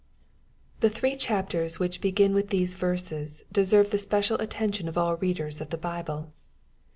The three chapters which begin with these verses deserve the special attention of all readers of the Bible.